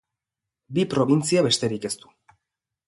Bi probintzia besterik ez du.